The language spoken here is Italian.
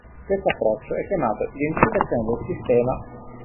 Questo approccio è chiamato identificazione del sistema.